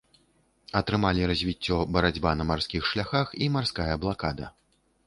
Атрымалі развіццё барацьба на марскіх шляхах і марская блакада.